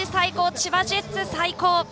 千葉ジェッツ最高。